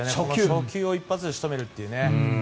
初球を一発で仕留めるというね。